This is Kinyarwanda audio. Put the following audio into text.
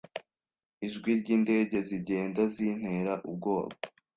Ijwi ryindege zigenda zintera ubwoba.